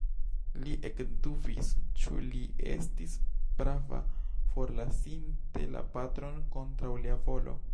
Li ekdubis, ĉu li estis prava, forlasinte la patron kontraŭ lia volo?